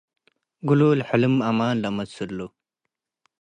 ግሉል ሕልም አማን ለአመስሉ።